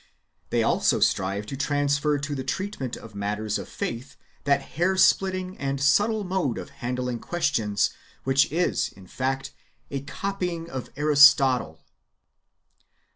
They also strive to transfer to [the treatment of matters of] faith that hairsplitting and subtle mode of handling questions which is, in fact, a copying of Aristotle.